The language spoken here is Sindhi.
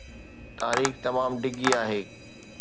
تاريخ تمام ڊگهي آهي